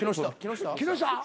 木下？